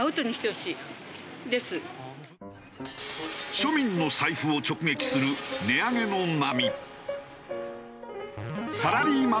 庶民の財布を直撃する値上げの波。